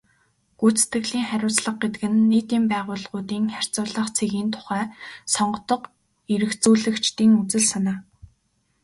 Гүйцэтгэлийн хариуцлага гэдэг нь нийтийн байгууллагуудын харьцуулах цэгийн тухай сонгодог эргэцүүлэгчдийн үзэл санаа.